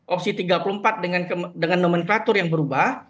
opsi tiga puluh empat dengan nomenklatur yang berubah